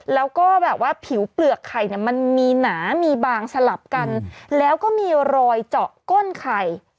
แล้วก็แบบว่าผิวเปลือกไข่เนี่ยมันมีหนามีบางสลับกันแล้วก็มีรอยเจาะก้นไข่